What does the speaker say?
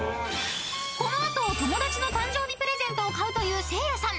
［この後友達の誕生日プレゼントを買うというせいやさん］